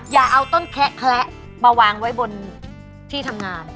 อย่าเอาต้นแคะแคละมาวางไว้บนที่ทำงาน